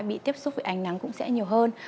bị tiếp xúc với ánh nắng cũng sẽ nhiều hơn